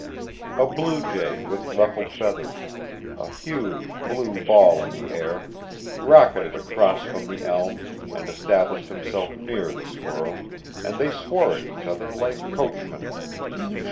A blue jay, with ruffled feathers a huge, blue ball in the air rocketed across from the elm, and established himself near the squirrel, and they swore at each other like coachmen.